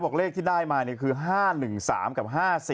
บอกเลขที่ได้มานี้คือ๕๑๓กับ๕๔